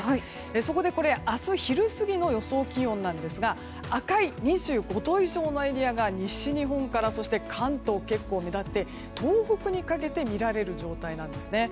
そこで明日昼過ぎの予想気温なんですが赤い２５度以上のエリアが西日本から関東、結構目立って東北にかけて見られる状態なんですね。